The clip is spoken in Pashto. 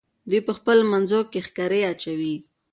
دوی په خپلو منځو کې ښکرې اچوي.